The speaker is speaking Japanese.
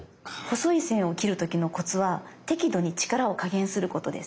細い線を切る時のコツは適度に力を加減することです。